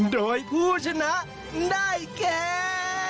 โดยผู้ชนะได้แค่